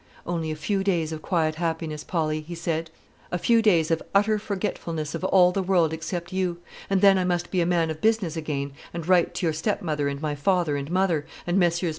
"Only a few days of quiet happiness, Polly," he said; "a few days of utter forgetfulness of all the world except you; and then I must be a man of business again, and write to your stepmother and my father and mother, and Messrs.